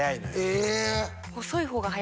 え？